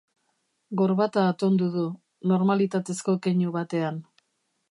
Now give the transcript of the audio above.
Gorbata atondu du, normalitatezko keinu batean.